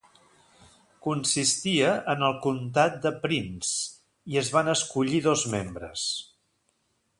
Consistia en el comtat de Prince i es van escollir dos membres.